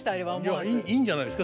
いやいいんじゃないですか。